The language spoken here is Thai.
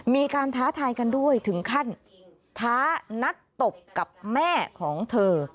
ท้าทายกันด้วยถึงขั้นท้านัดตบกับแม่ของเธอ